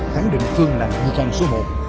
khẳng định phương là nạn nhân số một